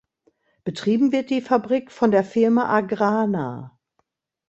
Betrieben wird die Fabrik von der Firma Agrana.